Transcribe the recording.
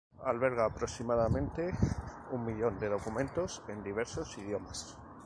Alberga aproximadamente un millón de documentos, en diversos idiomas.